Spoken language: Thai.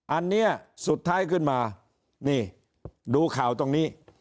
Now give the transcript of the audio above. อันนี้สุดท้ายขึ้นมานี่ดูข่าวตรงนี้